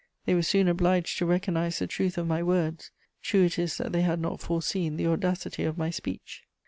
They were soon obliged to recognise the truth of my words: true it is that they had not foreseen the audacity of my speech.